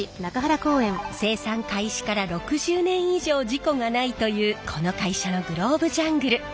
生産開始から６０年以上事故がないというこの会社のグローブジャングル。